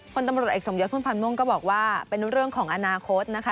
คนตำรวจเอกสมยศพุ่มพันธ์ม่วงก็บอกว่าเป็นเรื่องของอนาคตนะคะ